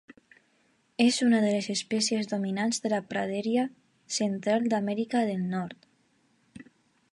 És una de les espècies dominants de la praderia central d'Amèrica del nord.